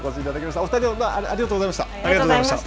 お２人、どうもありがとうございました。